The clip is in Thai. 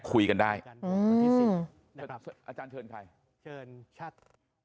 คุยกันได้อืมอาจารย์เชิญใครเชิญชาติ